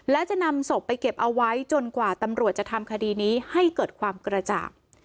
และจะนำศพไปเก็บเอาไว้จนกว่าตำรวจจะทำคดีนี้ให้เกิดความกระจ่าง